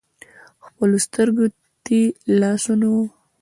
خپلو سترکو تې لاس ونیوئ .